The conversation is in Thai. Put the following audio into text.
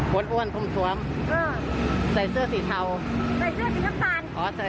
หรออวนอ้วนคงทวมเออใส่เสื้อสีเทาใส่เสื้อสีลำตาล